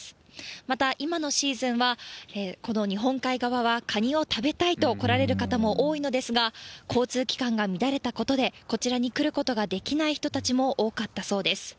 また、今のシーズンは、この日本海側はカニを食べたいと来られる方が多いのですが、交通機関が乱れたことで、こちらに来ることができない人たちも多かったそうです。